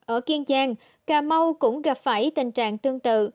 ở kiên giang cà mau cũng gặp phải tình trạng tương tự